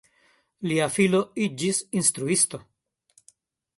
Lia filo iĝis instruisto.